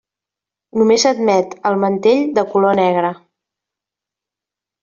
Només s'admet el mantell de color negre.